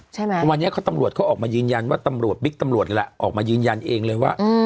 วันนี้เขาตำรวจเขาออกมายืนยันว่าตำรวจบิ๊กตำรวจนี่แหละออกมายืนยันเองเลยว่า